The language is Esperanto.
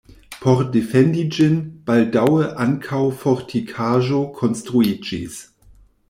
Por defendi ĝin, baldaŭe ankaŭ fortikaĵo konstruiĝis.